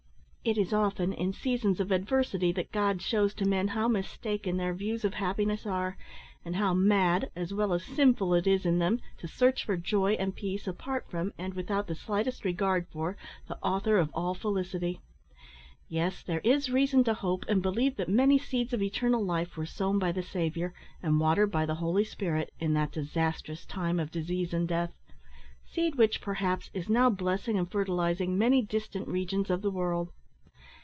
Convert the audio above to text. It is often in seasons of adversity that God shews to men how mistaken their views of happiness are, and how mad, as well as sinful, it is in them to search for joy and peace apart from, and without the slightest regard for, the Author of all felicity. Yes, there is reason to hope and believe that many seeds of eternal life were sown by the Saviour, and watered by the Holy Spirit, in that disastrous time of disease and death, seed which, perhaps, is now blessing and fertilising many distant regions of the world.